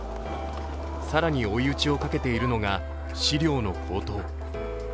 更に追い打ちをかけているのが飼料の高騰。